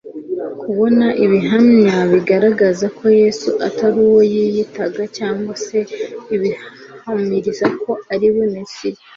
kubona ibihamya bigaragaza ko Yesu atari uwo yiyitaga cyangwa se ibibahamiriza ko ari we Mesiya.